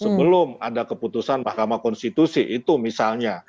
sebelum ada keputusan mahkamah konstitusi itu misalnya